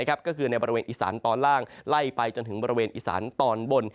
ก็คือในบริเวณอีสานตอนล่างไล่ไปจนถึงบริเวณอีสานตอนบน